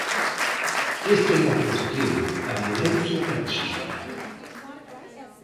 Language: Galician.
Esta é a cuestión, a violencia machista.